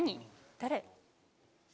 誰？